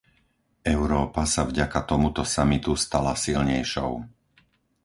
Európa sa vďaka tomuto samitu stala silnejšou.